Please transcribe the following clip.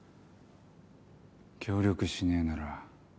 協力しねえなら